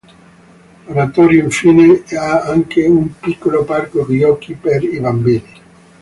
L’oratorio, infine, ha anche un piccolo parco giochi per i bambini